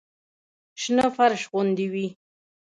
شنه فرش غوندې وي.